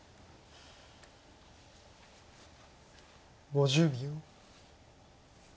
５０秒。